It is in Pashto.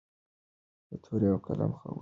د تورې او قلم خاوندان یو.